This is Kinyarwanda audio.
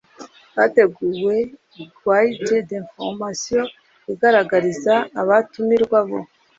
Hateguwe Guide d information igaragariza abatumirwa bo